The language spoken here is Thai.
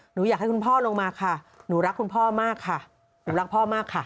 หนูอยากให้คุณพ่อลงมาค่ะหนูรักคุณพ่อมากค่ะ